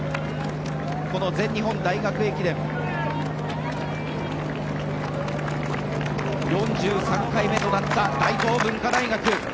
この全日本大学駅伝４３回目となった大東文化大学。